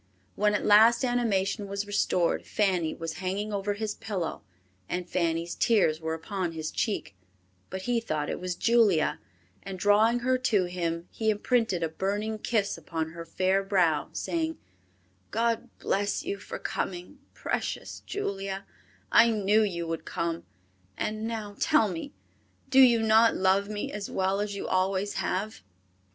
When at last animation was restored, Fanny was hanging over his pillow, and Fanny's tears were upon his cheek; but he thought it was Julia, and drawing her to him, he imprinted a burning kiss upon her fair brow, saying, "God bless you for coming, precious Julia, I knew you would come; and now tell me, do you not love me as well as you always have?"